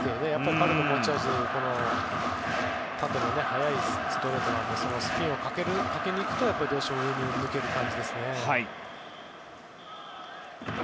彼の持ち味の縦の速いストレートなのでスピンをかけに行くと上に抜ける感じですね。